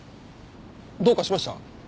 どうかしました？